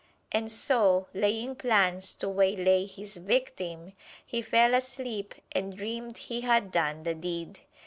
And so, laying plans to waylay his victim, he fell asleep and dreamed he had done the deed.